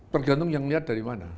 tergantung yang melihat dari mana